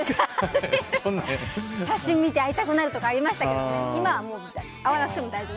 写真見て会いたくなるとかありましたけど今は会わなくても大丈夫。